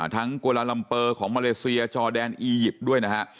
กวาลาลัมเปอร์ของมาเลเซียจอแดนอียิปต์ด้วยนะฮะ